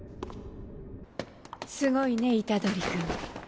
すごいね虎杖君。